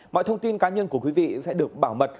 mọi thông tin cá nhân của quý vị sẽ được bảo mật